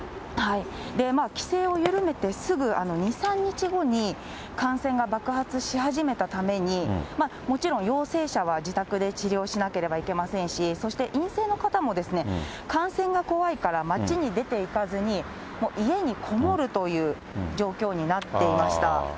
規制を緩めてすぐ２、３日後に、感染が爆発し始めたために、もちろん陽性者は自宅で治療しなければいけませんし、そして陰性の方も感染が怖いから街に出ていかずに、家に籠もるという状況になっていました。